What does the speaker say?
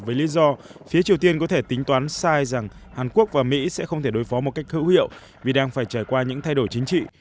với lý do phía triều tiên có thể tính toán sai rằng hàn quốc và mỹ sẽ không thể đối phó một cách hữu hiệu vì đang phải trải qua những thay đổi chính trị